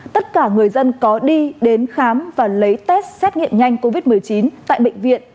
tất cả người dân có đi đến khám và lấy test xét nghiệm nhanh covid một mươi chín tại bệnh viện